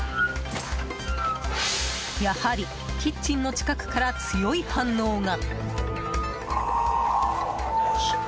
やはり、キッチンの近くから強い反応が。